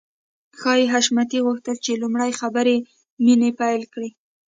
ښايي حشمتي غوښتل چې لومړی خبرې مينه پيل کړي.